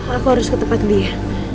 aku harus ke tempat dia